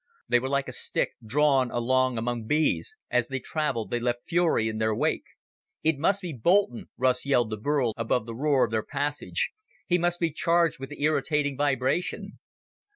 They were like a stick drawn along among bees as they traveled they left fury in their wake. "It must be Boulton," Russ yelled to Burl above the roar of their passage. "He must be charged with the irritating vibration."